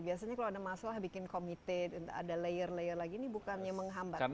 biasanya kalau ada masalah bikin komite ada layer layer lagi ini bukannya menghambat